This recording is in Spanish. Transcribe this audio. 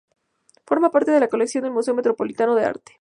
Forma parte de la colección del Museo Metropolitano de Arte.